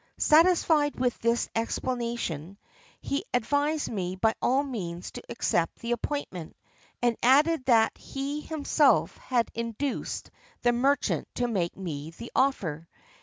Satisfied with this explanation, he advised me by all means to accept the appointment, and added that he himself had induced the merchant to make me the offer.